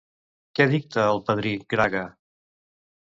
Què dicta el padrí Grga?